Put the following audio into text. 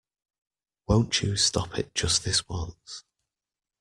Won't you stop it just this once?